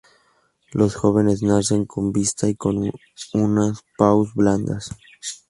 Los jóvenes nacen con vista y con unas púas blandas.